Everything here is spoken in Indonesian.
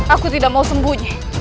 aku tidak mau sembunyi